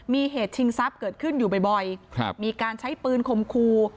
มีเหตุชิงทรัพย์เกิดขึ้นอยู่บ่อยมีการใช้ปืนคมครู